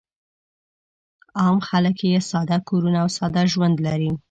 عام خلک یې ساده کورونه او ساده ژوند لري.